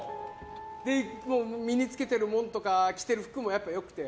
身に付けてるものとか着てる服もやっぱり良くて。